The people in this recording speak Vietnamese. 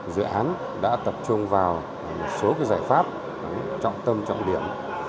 dự án đã tập trung vào một số giải pháp trọng tâm trọng điểm